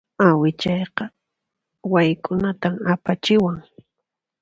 Awichayqa wayk'unatan apachiwan.